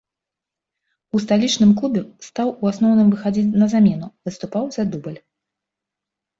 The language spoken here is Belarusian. У сталічным клубе стаў у асноўным выхадзіць на замену, выступаў за дубль.